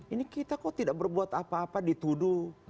ini kita kok tidak berbuat apa apa dituduh